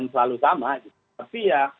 selalu sama tapi ya